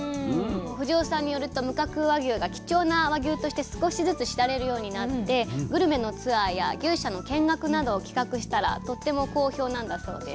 藤尾さんによると無角和牛が貴重な和牛として少しずつ知られるようになってグルメのツアーや牛舎の見学などを企画したらとっても好評なんだそうです。